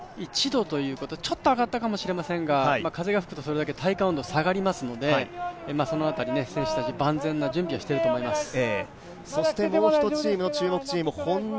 先ほど１度ということで、ちょっと上がったかもしれませんが風が吹くとそれだけ体感温度が下がりますのでその辺り、選手たち万全な準備をしていると思います。